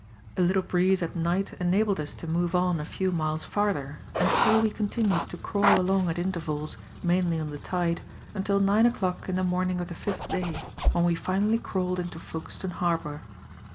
A little breeze at night enabled us to move on a few miles farther; and so we continued to crawl along at intervals, mainly on the tide, until nine o'clock in the morning of the fifth day, when we finally crawled into Folkestone Harbour.